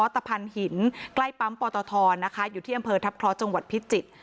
ตะพันธ์หินใกล้ปั๊มปอตทนะคะอยู่ที่อำเภอทัพเคราะห์จังหวัดพิจิตร